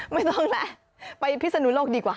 ไม่ต้องแล้วไปพิศนุโลกดีกว่า